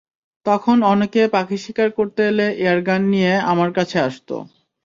তখন অনেকে পাখি শিকার করতে এলে এয়ারগান নিয়ে আমার কাছে আসত।